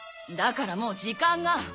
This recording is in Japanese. だからもう時間が。